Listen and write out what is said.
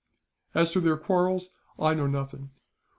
"As to their quarrels, I know nothing.